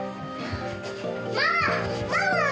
ママママ！